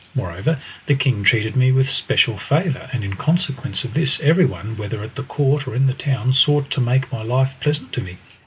Moreover, the king treated me with special favour, and in consequence of this everyone, whether at the court or in the town, sought to make life pleasant to me.